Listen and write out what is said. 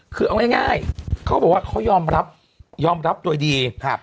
คือเอาง่ายเขาก็บอกว่าเขายอมรับยอมรับโดยดีครับ